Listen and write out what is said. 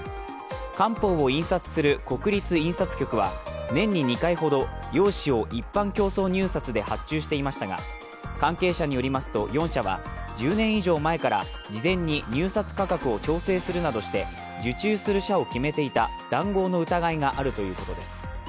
官報を印刷する国立印刷局は年に２回ほど用紙を一般競争入札で発注していましたが、関係者によりますと、４社は１０年以上前から事前に入札価格を調整するなどして受注する社を決めていた談合の疑いがあるということです。